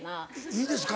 「いいですか？」